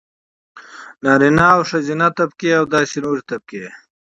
نارينه او ښځينه طبقې او داسې نورې طبقې.